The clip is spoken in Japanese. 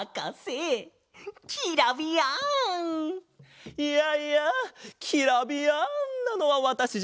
いやいやキラビヤンなのはわたしじゃなくてかげさ！